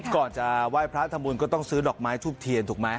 ก่อนจะไหว้พระทำบุญก็ต้องซื้อดอกไม้ทูบเทียนถูกไหม